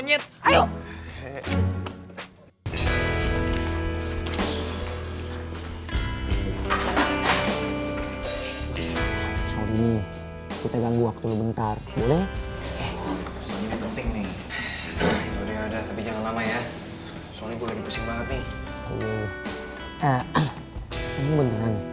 ini beneran ya